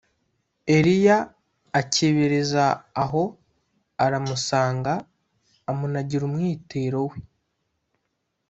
Eliya akebereza aho aramusanga, amunagira umwitero we